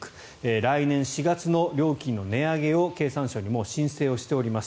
来年４月の料金の値上げを経産省にもう申請をしております。